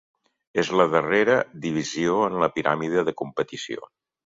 És la darrera divisió en la piràmide de competició.